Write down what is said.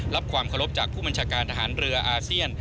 ความเคารพจากผู้บัญชาการทหารเรืออาเซียน